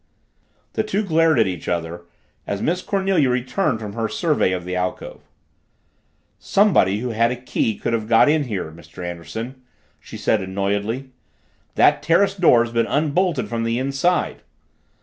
The two glared at each other as Miss Cornelia returned from her survey of the alcove. "Somebody who had a key could have got in here, Mr. Anderson," she said annoyedly. "That terrace door's been unbolted from the inside."